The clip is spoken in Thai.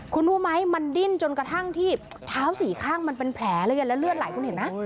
คุณรู้ไหมมันดิ้นจนกระทั่งที่เท้าสี่ข้างมันเป็นแผลเลยแล้วเลือดไหลคุณเห็นไหม